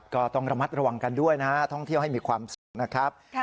ก็ต้องระมัดระวังกันด้วยนะฮะท่องเที่ยวให้มีความสุขนะครับ